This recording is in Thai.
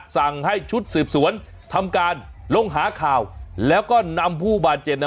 สั่งให้ชุดสืบสวนทำการลงหาข่าวแล้วก็นำผู้บาดเจ็บน่ะ